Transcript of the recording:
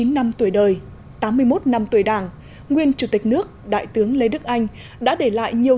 chín mươi năm tuổi đời tám mươi một năm tuổi đảng nguyên chủ tịch nước đại tướng lê đức anh đã để lại nhiều